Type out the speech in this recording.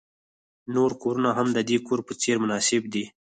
نور کورونه هم د دې کور په څیر مناسب دي